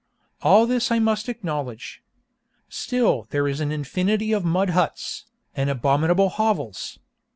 All this I must acknowledge. Still there is an infinity of mud huts, and abominable hovels.